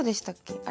あれ？